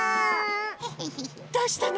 どうしたの？